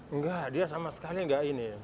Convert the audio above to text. enggak dia sama sekali nggak ini